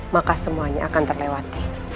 maka semuanya akan terlewati